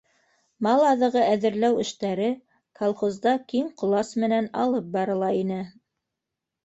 Мал аҙығы әҙерләү эштәре колхозда киң ҡолас менән алып барыла ине